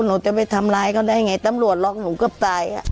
หนูจะไปทำร้ายเขาได้ไงตำรวจล็อกหนูเกือบตายอ่ะ